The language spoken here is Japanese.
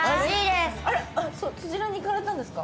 あらそちらに行かれたんですか？